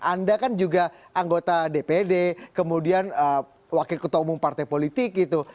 anda kan juga anggota dpd kemudian wakil ketua umum partai politik gitu